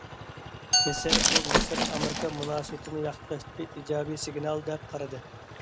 مىسىر بۇ مىسىر ئامېرىكا مۇناسىۋىتىنى ياخشىلاشتىكى ئىجابىي سىگنال دەپ قارىدى.